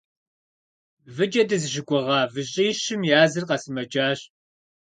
Выкӏэ дызыщыгугъа выщӏищым языр къэсымэджащ.